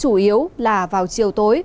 chủ yếu là vào chiều tối